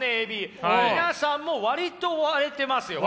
皆さんも割と割れてますよね？